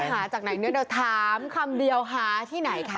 พี่จะไปหาจากไหนเนื่องโดยถามคำเดียวที่ไหนค่ะ